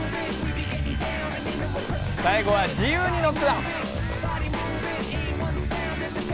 最後はじゆうにノックだ！